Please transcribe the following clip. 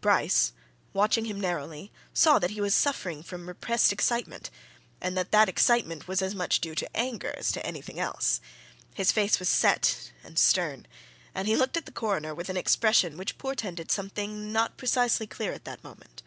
Bryce, watching him narrowly, saw that he was suffering from repressed excitement and that that excitement was as much due to anger as to anything else. His face was set and stern, and he looked at the Coroner with an expression which portended something not precisely clear at that moment.